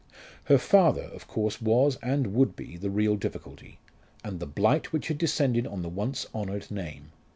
Her father of course was, and would be, the real difficulty, and the blight which had descended on the once honoured name.